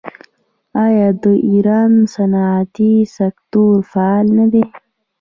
آیا د ایران صنعتي سکتور فعال نه دی؟